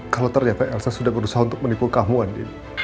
kalo ternyata elsa sudah berusaha untuk menipu kamu din